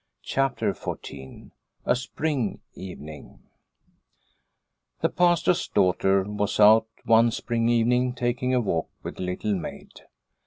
CHAPTER XIV A SPRING EVENING THE Pastor's daughter was out one spring evening taking a walk with Little Maid.